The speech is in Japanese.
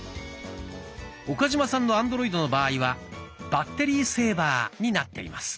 岡嶋さんのアンドロイドの場合は「バッテリーセーバー」になっています。